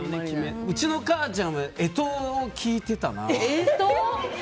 うちの母ちゃんは干支を聞いてたな。